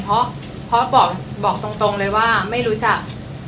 เพราะบอกตรงเลยว่าไม่รู้จัก